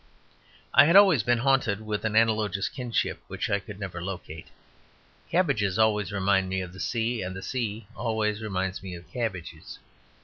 I had always been haunted with an analogous kinship which I could never locate; cabbages always remind me of the sea and the sea always reminds me of cabbages.